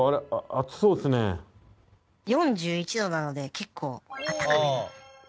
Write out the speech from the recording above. ４１度なので結構あったかめのお風呂です。